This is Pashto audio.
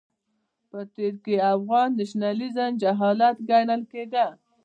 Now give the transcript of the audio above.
په تېر کې افغان نېشنلېزم جهالت ګڼل کېده.